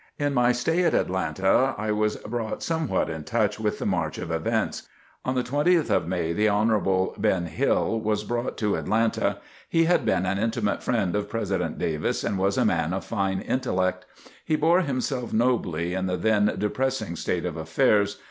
In my stay at Atlanta I was brought somewhat in touch with the march of events. On the 20th of May the Honorable Ben Hill was brought to Atlanta. He had been an intimate friend of President Davis and was a man of fine intellect. He bore himself nobly in the then depressing state of affairs.